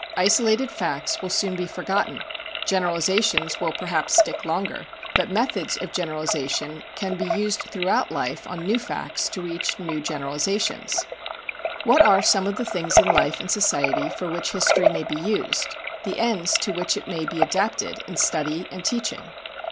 Isolated facts will be soon forgotten, generalizations will perhaps stick longer, but methods of generalization can be used throughout life on new facts to reach new generalizations. What are some of the things in life and society for which history may be used, the ends to which it may be adapted in study and teaching?